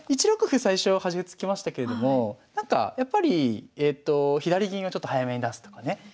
１六歩最初端歩突きましたけれどもやっぱり左銀をちょっと早めに出すとかね